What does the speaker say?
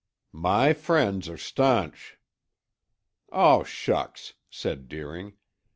"My friends are stanch." "Oh, shucks!" said Deering.